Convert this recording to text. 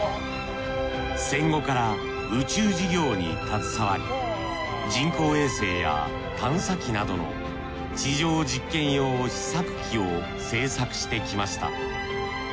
戦後から宇宙事業に携わり人工衛星や探査機などの地上実験用試作機を製作してきました。